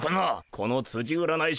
このつじ占い師